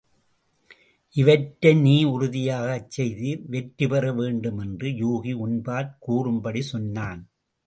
இவற்றை நீ உறுதியாகச் செய்து வெற்றிபெற வேண்டு மென்று யூகி உன்பாற் கூறும்படி சொன்னான்.